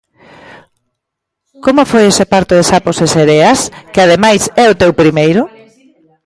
Como foi este parto de 'Sapos e Sereas', que ademais é o teu primeiro?